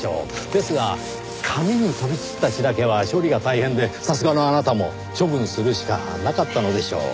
ですが紙に飛び散った血だけは処理が大変でさすがのあなたも処分するしかなかったのでしょう。